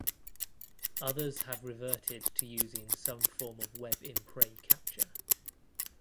Others have reverted to using some form of web in prey capture.